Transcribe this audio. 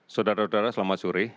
saudara saudara selamat sore